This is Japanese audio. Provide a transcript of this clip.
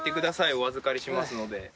お預かりしますので。